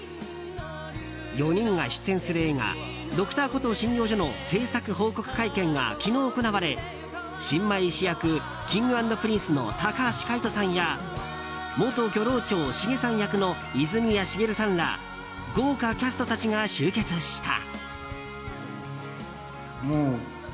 ４人が出演する映画「Ｄｒ．コトー診療所」の制作報告会見が昨日行われ新米医師役Ｋｉｎｇ＆Ｐｒｉｎｃｅの高橋海人さんや元漁労長シゲさん役の泉谷しげるさんら豪華キャストたちが集結した。